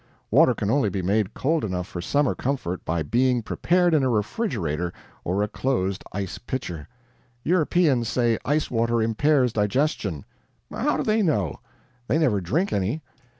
Water can only be made cold enough for summer comfort by being prepared in a refrigerator or a closed ice pitcher. Europeans say ice water impairs digestion. How do they know? they never drink any.